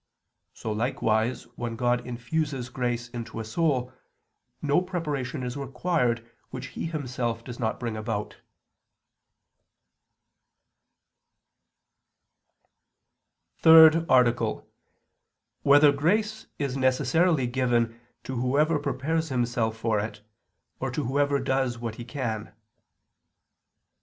So likewise, when God infuses grace into a soul, no preparation is required which He Himself does not bring about. ________________________ THIRD ARTICLE [I II, Q. 112, Art. 3] Whether Grace Is Necessarily Given to Whoever Prepares Himself for It, or to Whoever Does What He Can?